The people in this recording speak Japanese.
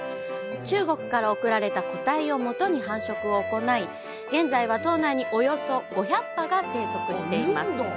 中国から送られた個体をもとに繁殖を行い、現在は島内におよそ５００羽が生息しています。